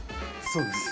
そうです。